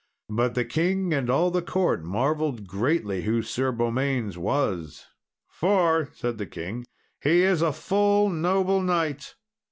But the king and all the court marvelled greatly who Sir Beaumains was. "For," said the king, "he is a full noble knight."